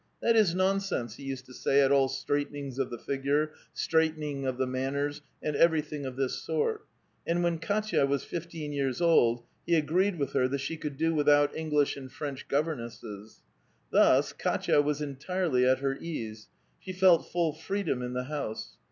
'* That is nonsense," he used to say at all straightenings of the figure, straightening of the mapners, and everything of this sort; and when Kdtya was fifteen years old, he agreed with her that she could do without English and French govern esses. Thus Kdtva was entirely at her ease ; she felt full freedom in the house.